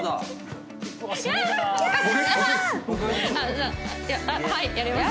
じゃあはいやりましょう。